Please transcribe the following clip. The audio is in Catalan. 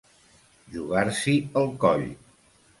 Jugar-s'hi el coll.